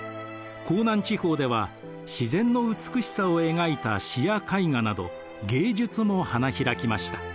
江南地方では自然の美しさを描いた詩や絵画など芸術も花開きました。